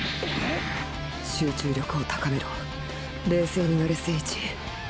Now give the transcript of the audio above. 集中力を高めろ冷静になれ精市。